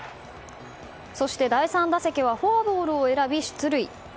そして、第３打席はフォアボールを選び出塁。